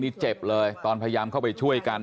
นี่เจ็บเลยตอนพยายามเข้าไปช่วยกัน